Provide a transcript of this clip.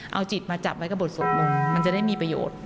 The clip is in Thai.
เอาจิตมาจับไว้กับบทสวดมนต์มันจะได้มีประโยชน์